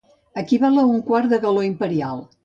Equival a un quart de galó imperial.